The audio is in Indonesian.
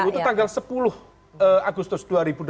itu tanggal sepuluh agustus dua ribu dua puluh